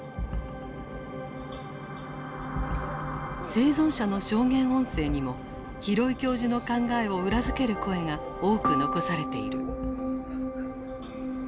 生存者の証言音声にも廣井教授の考えを裏付ける声が多く残されている。